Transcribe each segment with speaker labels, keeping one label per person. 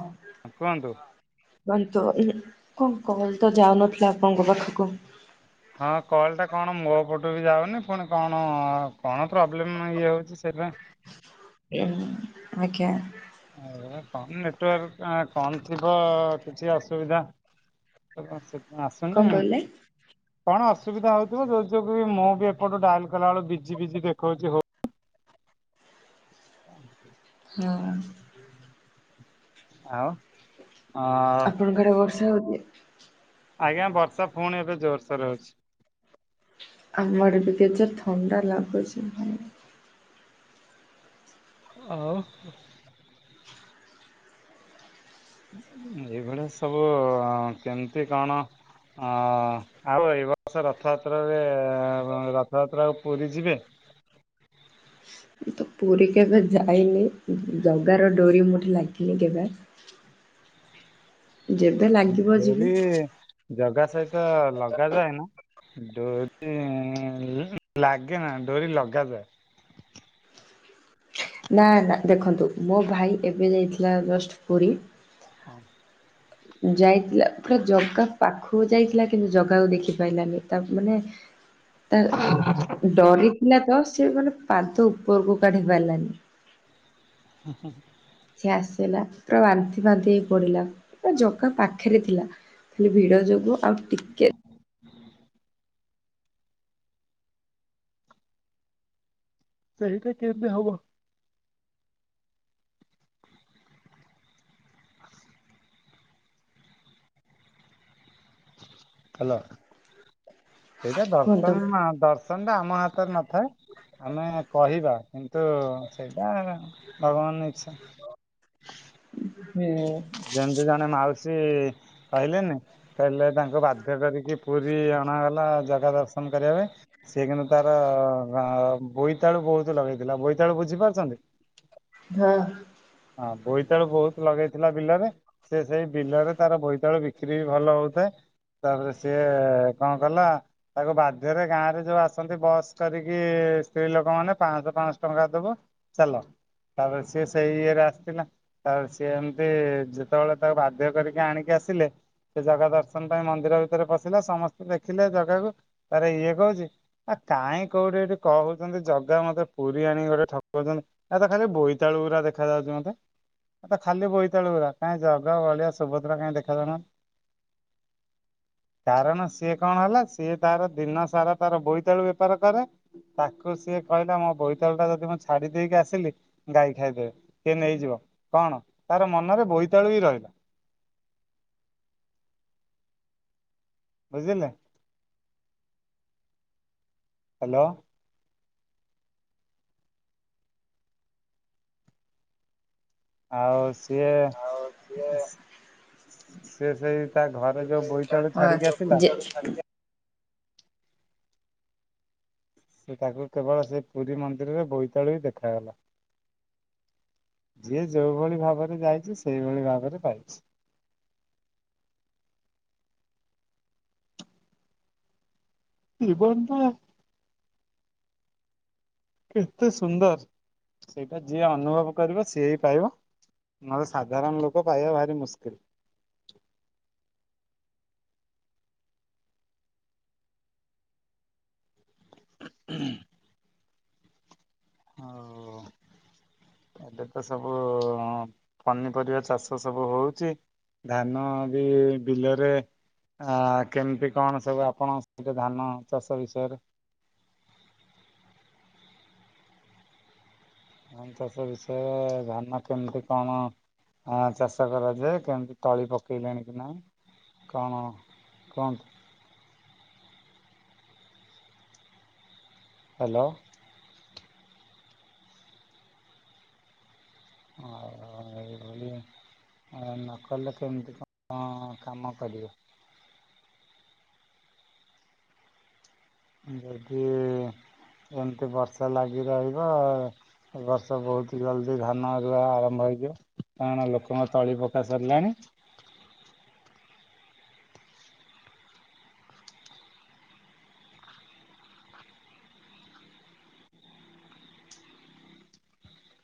Speaker 1: ହଁ।
Speaker 2: ହଁ କୁହନ୍ତୁ।
Speaker 1: କୁହନ୍ତୁ ଇଏ କଣ କଲ୍ ତ ଯାଉନଥିଲା ଆପଣଙ୍କ ପାଖକୁ।
Speaker 2: ହଁ କଲ୍ ଟା କଣ ମୋ ପଟୁ ବି ଯାଉନି ପୁଣି କଣ କଣ ପ୍ରୋବ୍ଲେମ୍ ଇଏ ହଉଛି ସେଇଥିପାଇଁ।
Speaker 1: [unintelligible] ଆଜ୍ଞା।
Speaker 2: ଏହେ କଣ ନେଟୱାର୍କ ଅ, କଣ ଥିବ କିଛି ଅସୁବିଧା। ତ ସେଥିପାଇଁ ଆସୁନି। କଣ ଅସୁବିଧା ହଉଥିବ ଯୋଉ ଯୋଗୁ ବି ମୁଁ ବି ଏପଟୁ ଡାଲ କଲା ବେଳ ବିଜି ବିଜି ଦେଖଉଛି ହଉ [inaudible]
Speaker 1: ହଁ।
Speaker 2: ଆଉ?।
Speaker 1: ଆପଣଙ୍କ ଆଡେ ବର୍ଷା ହଉଛି?।
Speaker 2: ଆଜ୍ଞା ବର୍ଷା ପୁଣି ଏବେ ଜୋର ସୋରରେ ହେଉଛି।
Speaker 1: ଆମଆଡେ ଵି ଏତେ ଜୋରରେ ଥଣ୍ଡା ଲାଗୁଛି।
Speaker 2: ଆଉ?। ଏଇଭଳିଆ ସବୁ କେମିତି କଣ?। ହଁ ଆଉ ଏ ବର୍ଷ ରଥଯାତ୍ରାରେ ରଥଯାତ୍ରା ପୁରୀ ଯିବେ?।
Speaker 1: ତ ପୁରୀ କେବେ ଯାଇନି ଜଗାର ଡୋରି ମୋଠି ଲାଗିନି କେବେ। ଯେବେ ଲାଗିବ ଯିବି।
Speaker 2: ଜଗା ସହିତ ଲଗାଯାଏ ନା। ଡୋରି ଲାଗେ ନା ଡୋରି ଲଗାାଯାଏ।
Speaker 1: ନା ନା ଦେଖନ୍ତୁ ମୋ ଭାଇ ଏବେ ଯାଇଥିଲା ଜଷ୍ଟ ପୁରୀ?।
Speaker 2: ହଁ।
Speaker 1: ଯାଇଥିଲା ପୁରା ଜଗା ପାଖକୁ ଯାଇଥିଲା କିନ୍ତୁ ଜଗାକୁ ଦେଖି ପାରିଲାନି ତା ମାନେ। ଏଁ। ଡରିଥିଲା ତ ସେ ମାନେ ପାଦ ଉପରକୁ କାଢି ପାରିଲାନି।
Speaker 2: ଆଛ [unintelligible]
Speaker 1: ସେ ଆସିଗଲା। ପୁରା ବାନ୍ତି ଫାନ୍ତି ହୋଇ ପଡ଼ିଲା। ବା ଜଗା ପାଖରେ ଥିଲା ଖାଲି ଭିଡ ଯୋଗୁ ଆଉ ଟିକେ।
Speaker 2: ସେଇଟା କେମିତି ହବ। ହ୍ୟାଲୋ ଏଇଟା ଦର୍ଶନ ଦର୍ଶନ ଟା ଆମ ହାତରେ ନଥାଏ। ଆମେ କହିବା କିନ୍ତୁ ସେଇଟା ଭଗବାନଙ୍କ ଇଛା।
Speaker 1: ଆମେ।
Speaker 2: ଯେମିତି ଜଣେ ମାଉସୀ କହିଲେନି କହିଲେ ତାଙ୍କୁ। ବାଧ୍ୟ କରିକି ପୁରୀ ଅଣାଗଲା ଜଗା ଦର୍ଶନ କରିବା ପାଇଁ। ସେ କିନ୍ତୁ ତାର ବୋଇତାଳୁ ବହୁତ ଲଗେଇଥିଲା ବୋଇତାଳୁ ବୁଝି ପାରୁଛନ୍ତି।
Speaker 1: ହଁ।
Speaker 2: ହଁ ବୋଇତାଳୁ ବହୁତ ଲଗେଇଥିଲା ବିଲରେ। ସେ ସେଇ ବିଲରେ ତାର ବୋଇତାଳୁ ବିକ୍ରିଵି ଭଲ ହଉଥାଏ। ତାପରେ ସିଏ କଣ କଲା। ତାକୁ ବାଧ୍ୟରେ ଗାଁରେ ଯୋଉ ଆସନ୍ତି ବସ୍ କରିକି ସ୍ତ୍ରୀ ଲୋକ ମାନେ ପାଞ୍ଚଶହ ପାଞ୍ଚଶହ ଟଙ୍କା ଦବ। ଚାଲ। ତା ପରେ ସେ ସେଇ। ଆସିଥିଲା। ତାପରେ ସିଏ ଏମିତି ଯେତେବେଳେ ତାକୁ ବାଧ୍ୟ କରିକି ଆଣିକି ଆସିଲେ। ସେ ଜଗା ଦର୍ଶନ ପାଇଁ ମନ୍ଦିର ଭିତରେ ପଶିଲା ସମସ୍ତେ ଦେଖିଲେ ଜାଗାକୁ ତାର ଇଏ କହୁଛି। ଆ କାହିଁ କୋଉଠି ଏଠି କହୁଛନ୍ତି ଜଗା ମତେ ପୁରୀ ଆଣିକି ଗୋଟେ ଠକଉଛନ୍ତି। ଏରା ତ ଖାଲି ବୋଇତାଳୁ ଗୁରା ଦେଖା ଯାଉଛି ମତେ। ଏରା ତ ଖାଲି ବୋଇତାଳୁ ଗୁରା ଜଗା, ବଳିଆ, ସୁଭଦ୍ରା କାହିଁ ଦେଖାଯାଉ ନାହାନ୍ତି। କାରଣ ସିଏ କଣ ହେଲା ସିଏ ତାର ଦିନ ସାରା ତାର ବୋଇତାଳୁ ବେପାର କରେ। ତାକୁ ସିଏ କହିଲା ମୋ ବୋଇତାଳୁ ଟା ଯଦି ମୁଁ ଛାଡି ଦେଇକି ଆସିଲି ଗାଈ ଖାଇଦେବେ। କିଏ ନେଇଯିବ କଣ ତାର ମନରେ ବୋଇତାଳୁ ହିଁ ରହିଲା। ବୁଝିଲେ?। ହ୍ୟାଲୋ?। ଆଉ ସିଏ ସି ସେଇ ତା ଘରେ ଯୋଉ। ବୋଇତାଳୁ ଛାଡିକି ଆସିଲ।
Speaker 1: ଛାଡ଼ିଦିଅ।
Speaker 2: ସେ ତାକୁ କେବଳ ସେଇ ପୁରୀ ମନ୍ଦିରରେ ବୋଇତାଳୁ ହିଁ ଦେଖାଗଲା। ଯିଏ ଯୋଉ ଭଳି ଭାବରେ ଯାଇଚି ସେଇଭଳି ଭାବରେ ପାଇଚି। [unintelligible] କେତେ ସୁନ୍ଦର ସେଇଟା ଯିଏ ଅନୁଭବ କରିବ ସିଏ ହିଁ ପାଇବ। ନହେଲେ ସାଧାରଣ ଲୋକ ପାଇବା ଭାରି ମୁସ୍କିଲ। ହୁଁ ହଉ। ଏବେ ତ ସବୁ ପନିପରିବା ଚାଷ ସବୁ ହଉଚି। ଧାନ ବି ବିଲରେ ଆ କେମିତି କଣ ସବୁ ଆପଣ ସେଥିରେ ଧାନ ଚାଷ ବିଷୟରେ? ଧାନ ଚାଷ ବିଷୟରେ ଧାନ କେମିତି କଣ ହାଁ ଚାଷ କରାଯାଏ କେମିତି ତଳି ପକେଇଲେଣି କି ନାହିଁ? କଣ କୁହନ୍ତ? ହାଲୋ। ଆ ଏଇ ଭଳିଆ। ଆ ନକଲେ କେମିତି କ କଁ କାମ କରିବ। ଯଦି ଏମିତି ବର୍ଷା ଲାଗି ରହିବ ଏ ବର୍ଷ ବୋହୁତୁ ଜଲ୍ଦି ଧାନ ରୁଆ ଆରମ୍ଭ ହେଇଯିବ। କାରଣ ଲୋକଙ୍କ ତଳି ପକା ସରିଲାଣି।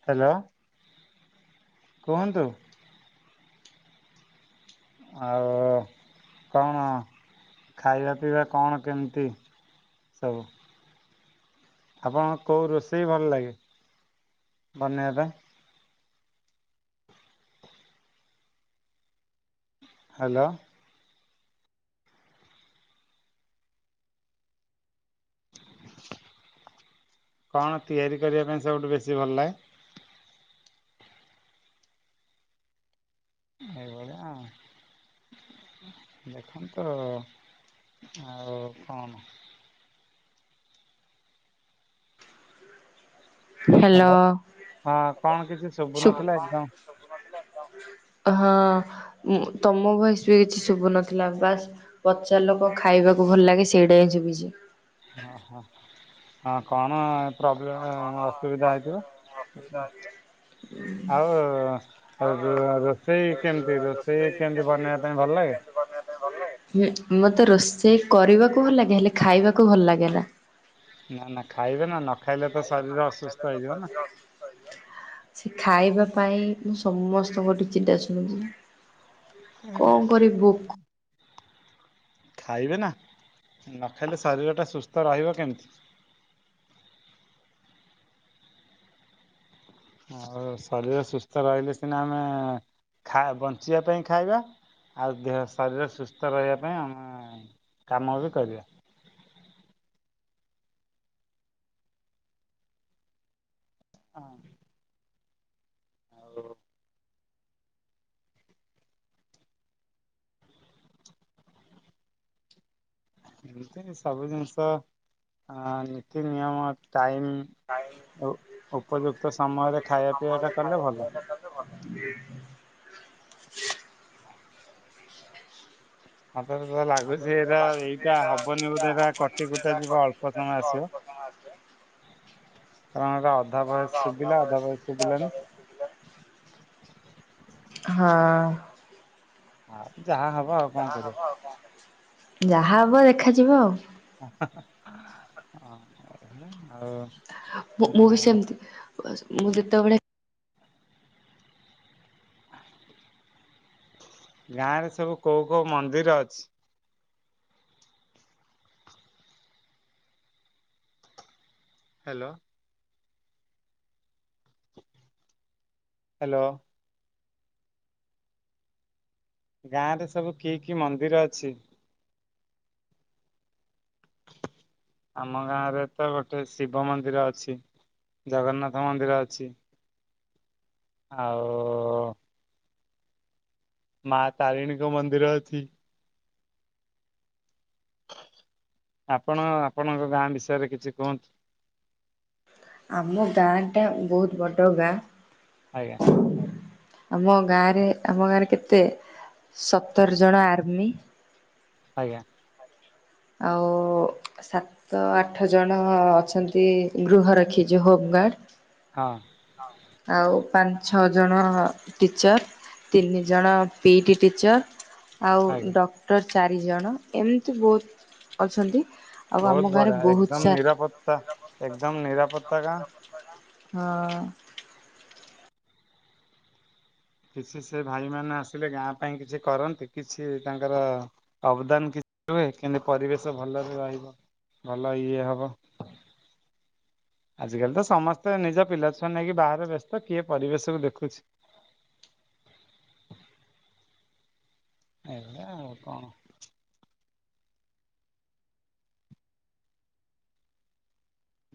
Speaker 2: ହାଲୋ। କୁହନ୍ତୁ। ଆଉ କଣ? ଖାଇବା ପିଇବା କଣ କେମିତି ସବୁ? ଆପଣ କୋଉ ରୋଷେଇ ଭଲ ଲାଗେ ବନେଇବା ପାଇଁ? ହାଲୋ। କଣ ତିଆରି କରିବା ପାଇଁ ସବୁଠୁ ବେଶୀ ଭଲ ଲାଗେ? ଏଇ ଭଳିଆ ଆଉ। ଦେଖନ୍ତୁ ଆଉ କଣ?
Speaker 1: ହ୍ୟାଲୋ। ଶୁ [unintelligible] ହଁ ତମ ଭଏସ୍ ବି କିଛି ଶୁଭୁନଥିଲା ବାସ୍। ପଚାରିଲ କଣ ଖାଇବାକୁ ଭଲ ଲାଗେ ସେଇଟା ହିଁ ଶୁବିଛି।
Speaker 2: ଓହୋ ହ କଣ? ପ୍ରୋବ୍ଲେମ୍ ଅସୁବିଧା ହେଇଥିବ। ଆଉ ରୋ ରୋଷେଇ କେମିତି ରୋଷେଇ କେମିତି ବନା ପାଇଁ ଭଲ ଲାଗେ।
Speaker 1: ଉଁ ମତେ ରୋଷେଇ କରିବାକୁ ଭଲ ଲାଗେ ହେଲେ ଖାଇବାକୁ ଭଲ ଲାଗେ ନା।
Speaker 2: ନା ନା ଖାଇବେ ନା ନ ଖାଇଲେ ତ ଶରୀର ଅସୁସ୍ଥ ହେଇଯିବ ନା।
Speaker 1: ସେ ଖାଇବା ପାଇଁ ମୁଁ ସମସ୍ତଙ୍କ ଠୁ ଚିଡା ଶୁଣିଚି। କଣ କରିବୁକ୍?
Speaker 2: ଖାଇବେ ନା ନ ଖାଇଲେ ଶରୀରଟା ସୁସ୍ଥ ରହିବ କେମିତି। ଆଉ ଶରୀର ସୁସ୍ଥ ରହିଲେ ସିନା ଆମେ ବଞ୍ଚିବା ପାଇଁ ଖାଇବା। ଆଉ ଦେହ ଶରୀର ସୁସ୍ଥ ରହିବା ପାଇଁ ଆମେ କାମ ବି କରିବା। ହଁ। ହାଲୋ ଏମିତି ସବୁ ଜିନିଷ ନୀତି ନିୟମ ଟାଇମ୍ ଆଉ ଉପଯୁକ୍ତ ସମୟରେ ଖାଇବା ପିଇବା ଟା କଲେ ଭଲ।
Speaker 1: [unintelligible] [inaudible] [inaudible] ହଁ।
Speaker 2: ଆ ଯାହା ହବ ଆଉ।
Speaker 1: ଯାହା ହବ ଆଉ କଣ କରିବା।
Speaker 2: [inaudible] ଆଉ
Speaker 1: ମୁଁ-ମୁଁ ବି ସେମତି [inaudible] ମୁଁ ଯେତେବେଳେ
Speaker 2: ଗାଁ ରେ ସବୁ କୋଉ କୋଉ ମନ୍ଦିର ଅଛି? ହାଲୋ। ହାଲୋ। ଗାଁରେ ସବୁ କି କି ମନ୍ଦିର ଅଛି? ଆମ ଗାଁରେ ତ ଗୋଟେ ଶିବ ମନ୍ଦିର ଅଛି, ଜଗନ୍ନାଥ ମନ୍ଦିର ଅଛି। ଆଉ ମା ତାରିଣୀଙ୍କ ମନ୍ଦିର ଅଛି। ଆପଣ ଆପଣଙ୍କ ଗାଁ ବିଷୟରେ କିଛି କୁହନ୍ତୁ।
Speaker 1: ଆମ ଗାଁଟା ବହୁତ୍ ବଡ ଗାଁ। ଆମ ଗାଁରେ - ଆମ ଗାଁରେ କେତେ ସତର ଜଣ ଆର୍ମି
Speaker 2: ଆଜ୍ଞା।
Speaker 1: ଆଉ ସାତ ଆଠ ଜଣ ଅଛନ୍ତି ଗୃହରଖି ଯୋ ହୋମ ଗାର୍ଡ।
Speaker 2: ହଁ।
Speaker 1: ଆଉ ପାଞ୍ଚ୍ ଛଅ ଜଣ ଟିଚର ତିନି ଜଣ ପିଇ ଟି ଟିଚର୍ ଆଉ ଡକ୍ଟର ଚାରିଜଣ, ଏମିତି ବହୁତ୍ ଅଛନ୍ତି।
Speaker 2: ବହୁତ୍ ବଢିଆ ଏକଦମ୍ ନିରାପତ୍ତା ଏକଦମ୍ ନିରାପତ୍ତା ଗାଁ।
Speaker 1: [inaudible] ହଁ।
Speaker 2: କିଛି ସେ ଭାଇ ମାନେ ଆସିଲେ ଗାଁ ପାଇଁ କିଛି କରନ୍ତି କିଛି ତାଙ୍କର ଅବଦାନ କି- ରୁହେ କେନ୍ତି ପରିବେଶ ଭଲରେ ରହିବ ଭଲ ଇଏ ହବ। ଆଜିକାଲି ତ ସମସ୍ତେ ନିଜ ପିଲାଛୁଆ ନେଇ ବାହାରେ ବ୍ୟସ୍ତ କିଏ ପରିବେଶକୁ ଦେଖୁଚି? ଏଇଭଳିଆ ଆଉ କଣ?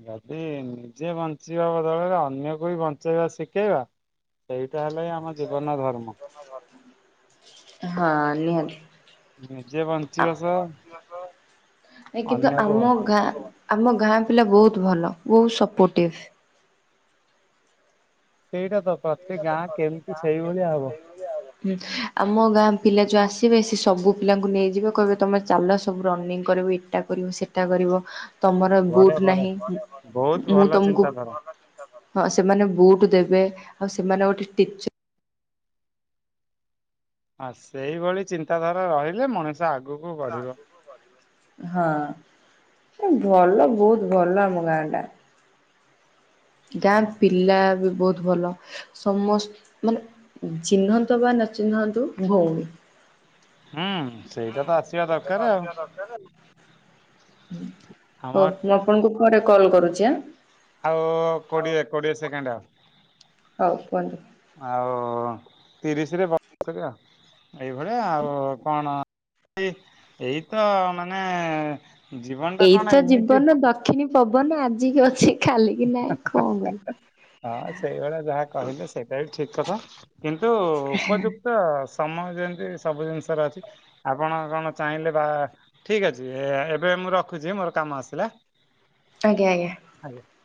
Speaker 2: ଯଦି ନିଜେ ବଞ୍ଚିବା ବଦଳରେ ଅନ୍ୟକୁ ବି ବଞ୍ଚେଇବା ଶିକେଇବା ସେଇଟା ହେଲେ [inaudible]
Speaker 1: ହଁ ନିହାତି। ଆ-ନାଇଁ କିନ୍ତୁ ଆମ ଗାଁ ଆମ ଗାଁ ପିଲା ବହୁତ୍ ଭଲ ବହୁତ୍ ସପୋର୍ଟିଭ୍।
Speaker 2: ସେଇଟା ତ ପ୍ରତି ଗାଁ କେମିତି ସେଇଭଳିଆ ହବ?
Speaker 1: ଆମ ଗାଁ ପିଲା ଯୋଉ ଆସିବେ ସେ ସବୁ ପିଲାଙ୍କୁ ନେଇଯିବେ କହିବେ ତମେ ଚାଲ ସବୁ ରନିଙ୍ଗ୍ କରିବ ଏଟା କରିବ ସେଟା କରିବ। ତମର ବୁଟ୍ ନାହିଁ ମ୍-ମୁଁ ତମୁକୁ ହଁ ସେମାନେ ବୁଟୁ ଦେବେ ଆଉ ସେମାନେ ଗୋଟେ ଟିଚ
Speaker 2: ଆ ସେଇଭଳି ଚିନ୍ତାଧାରା ରହିଲେ ମଣିଷ ଆଗୁକୁ ବଢିବ।
Speaker 1: ହଁ, ଭଲ ବହୁତ ଭଲ ଆମ ଗାଁ ଟା। ଗାଁ ପିଲା ବି ବହୁତ ଭଲ। ସମସ୍ତ ମାନେ ଚିହ୍ନନ୍ତୁ ବା ନଚିହ୍ନନ୍ତୁ ଭଉଣୀ।
Speaker 2: ହୁଁ, ସେଇଟା ତ ଆସିବା ଦରକାର ଆଉ।
Speaker 1: ହଉ ମୁଁ ଆପଣଙ୍କୁ ପରେ କଲ କରୁଛି ଆ।
Speaker 2: ଆଉ କୋଡିଏ -କୋଡିଏ ସେକେଣ୍ଡ ଆଉ।
Speaker 1: ହଉ କୁହନ୍ତୁ।
Speaker 2: ଆଉ ତିରିଶରେ ବନ୍ଧ କରିବା ଆଉ। ଏଇ ଭଳିଆ ଆଉ କଣ ଏଇ ଏଇ ତ ମାନେ ଜୀବନ ଟା କଣ ଏମିତି?
Speaker 1: କି ପବନ ଆଜିକି ଅଛି। କି ନାଇଁ କଣ କରିବ?
Speaker 2: ହଁ, ସେଇଭଳିଆ ଯାହା କହିଲେ ସେଇଟା ବି ଠିକ କଥା। କିନ୍ତୁ ଉପଯୁ ତ ସମୟ ଯେମିତି ସବୁ ଜିନିଷରେ ଅଛି ଆପଣ କଣ ଚାହିଁଲେ ବା ଠିକ ଅଛି। ଏବେ ମୁଁ ରଖୁଛି ମୋର କାମ ଆସିଲା।
Speaker 1: ଆଜ୍ଞା ଆଜ୍ଞା।
Speaker 2: ଆଜ୍ଞା।